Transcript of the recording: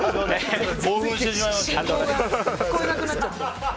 進行が聞こえなくなっちゃって。